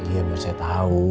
iya biar saya tau